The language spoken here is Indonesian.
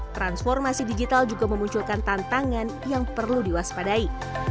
transformasi digital juga memunculkan tantangan yang perlu diwaspadai